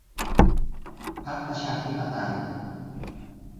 พรรคประชาธิปไตย